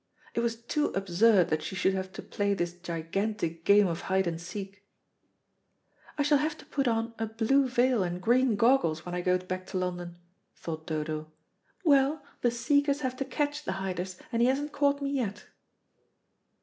It was too absurd that she should have to play this gigantic game of hide and seek. "I shall have to put on a blue veil and green goggles when I go back to London," thought Dodo. "Well, the seekers have to catch the hiders, and he hasn't caught me yet."